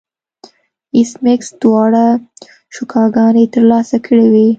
ایس میکس دواړه کشوګانې ترلاسه کړې وې